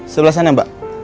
sebelah sana mbak